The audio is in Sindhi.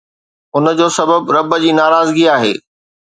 ان جو سبب رب جي ناراضگي آهي